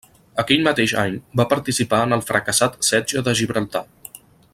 Aquell mateix any va participar en el fracassat setge de Gibraltar.